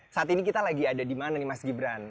saat ini kita lagi ada di mana nih mas gibran